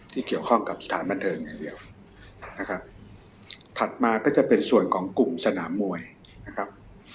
เกี่ยวข้องกับสถานบันเทิงอย่างเดียวนะครับถัดมาก็จะเป็นส่วนของกลุ่มสนามมวยนะครับ